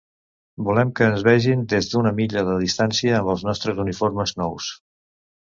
Volem que ens vegin des d'una milla de distància amb els nostres uniformes nous.